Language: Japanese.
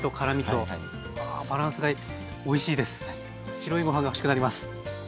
白いご飯が欲しくなります。